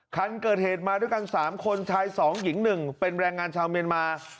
คันเกิดเหตุมาด้วยกัน๓คนชาย๒หญิง๑เป็นแรงงานชาวเมียนมา